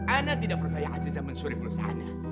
ana tidak percaya aziza mensyuri pelusa anak